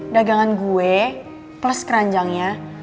dagangan gue plus keranjangnya